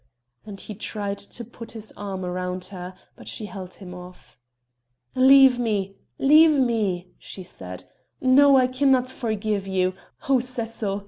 And he tried to put his arm round her. But she held him off. "Leave me, leave me," she said. "No, I cannot forgive you. Oh Cecil!